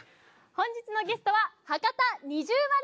本日のゲストは「二重丸」。